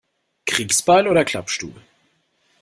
Kriegsbeil oder Klappstuhl?